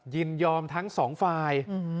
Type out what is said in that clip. ยินยอมทั้งสองฝ่าย